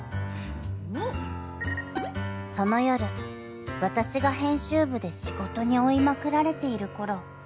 ［その夜私が編集部で仕事に追いまくられているころ］